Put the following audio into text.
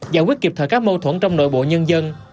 giải quyết kịp thời các mâu thuẫn trong nội bộ nhân dân